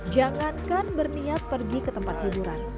jangankan berniat pergi ke tempat hiburan